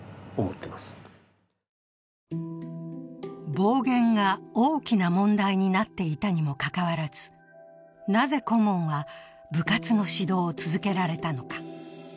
暴言が大きな問題になっていたにもかかわらず、なぜ顧問は部活の指導を続けられたのか。